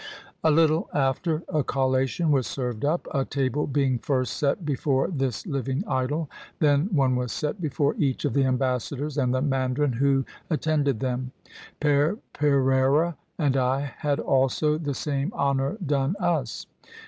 A little after, a collation was served up, a table being first set before this living idol; then one was set before each of the ambassadors, and the mandarin who at tended them. Pere Pereira and I had also the same honor done us.